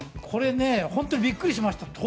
これびっくりしました。